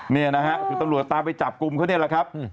นี่นะฮะคือตำรวจตามไปจับกลุ่มเขาเนี่ยแหละครับ